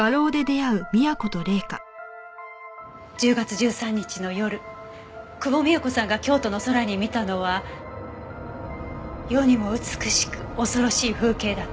１０月１３日の夜久保美也子さんが京都の空に見たのは世にも美しく恐ろしい風景だった。